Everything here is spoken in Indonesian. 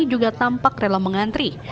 juga tampak rela mengantri